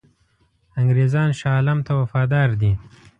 انګرېزان شاه عالم ته وفادار دي.